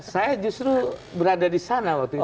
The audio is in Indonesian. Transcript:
saya justru berada disana waktu itu